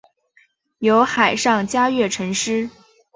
有海上嘉月尘诗。